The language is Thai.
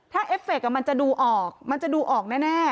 ถ้าเอฟเฟคมันจะดูออกมันจะดูออกแน่